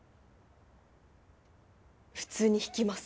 普通に引きます。